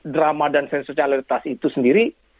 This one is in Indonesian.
drama dan sensoritas itu sendiri